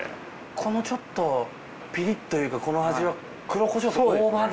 このちょっとピリッというかこの味は黒コショウと大葉で。